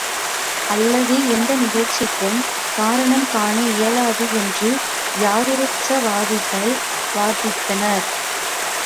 அல்லது எந்த நிகழ்ச்சிக்கும் காரணம் காண இயலாது என்று யதிருச்சாவாதிகள் வாதித்தனர்.